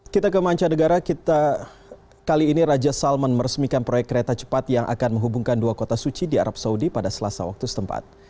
kita ke manca negara kita kali ini raja salman meresmikan proyek kereta cepat yang akan menghubungkan dua kota suci di arab saudi pada selasa waktu setempat